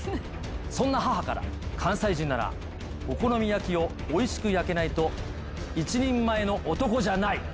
そんな母から「関西人ならお好み焼きをおいしく焼けないと一人前の男じゃない！」